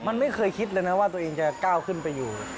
มันไม่เคยคิดเลยนะว่าตัวเองจะก้าวขึ้นไปอยู่